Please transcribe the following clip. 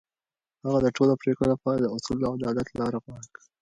هغه د ټولو پرېکړو لپاره د اصولو او عدالت لار غوره کړه.